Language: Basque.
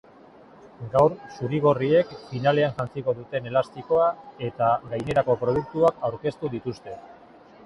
Gaur zuri-gorriek finalean jantziko duten elastikoa eta gainerako produktuak aurkeztu dituzte.